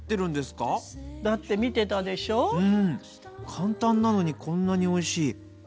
簡単なのにこんなにおいしい。